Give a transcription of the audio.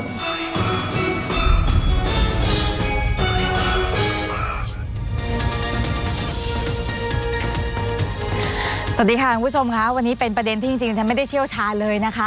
สวัสดีค่ะคุณผู้ชมค่ะวันนี้เป็นประเด็นที่จริงฉันไม่ได้เชี่ยวชาญเลยนะคะ